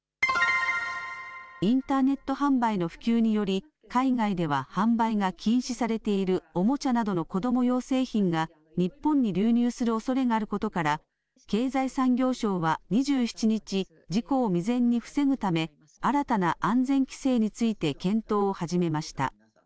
インターネット販売の普及により、海外では販売が禁止されているおもちゃなどの子ども用製品が日本に流入するおそれがあることから、経済産業省は２７日、事故を未然に防ぐため、新たな安全規制について検討を始めました。